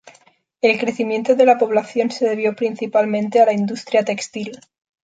El crecimiento de la población se debió principalmente a la industria textil.